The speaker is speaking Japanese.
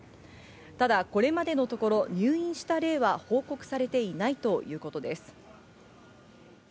ただ、これまでのところ入院した例は報告されていないということです。